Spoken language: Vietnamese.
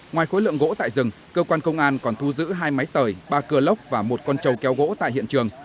ngoài khối lượng gỗ tại rừng cơ quan công an còn thu giữ hai máy tời ba cưa lốc và một con trầu kéo gỗ tại hiện trường